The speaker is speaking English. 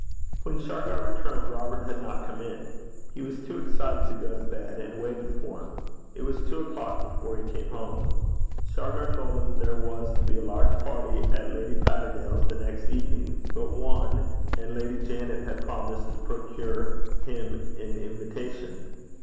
When Shargar returned, Robert had not come in. He was too excited to go to bed, and waited for him. It was two o'clock before he came home. Shargar told him there was to be a large party at Lady Patterdale's the next evening but one, and Lady Janet had promised to procure him an invitation.